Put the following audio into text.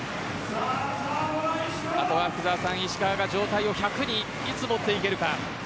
あとは石川が状態を１００にいつ持っていけるか。